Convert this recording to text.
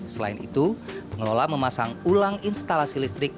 selain itu pengelola memasang ulang instalasi listrik